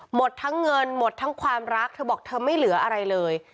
หมดทั้งเงินหมดทั้งความรักเธอบอกเธอไม่เหลืออะไรเลย